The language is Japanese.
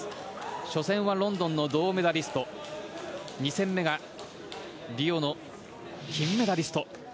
初戦はロンドンの銅メダリスト２戦目がリオの金メダリスト。